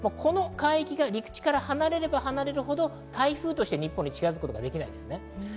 この海域が陸地から離れれば離れるほど台風としては日本に近づくことできないです。